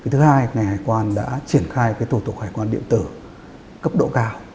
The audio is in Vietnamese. thứ hai ngành hải quan đã triển khai thủ tục hải quan điện tử cấp độ cao